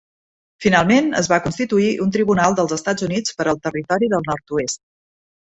Finalment, es va constituir un tribunal dels Estats Units per al Territori del nord-oest.